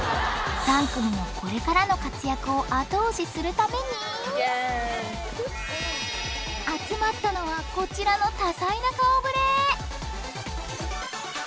３組のこれからの活躍を後押しするために集まったのはこちらの多彩な顔ぶれ。